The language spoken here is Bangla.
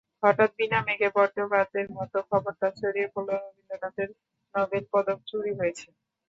হঠাৎ বিনা মেঘে বজ্রপাতের মতো খবরটা ছড়িয়ে পড়ল—রবীন্দ্রনাথের নোবেল পদক চুরি হয়েছে।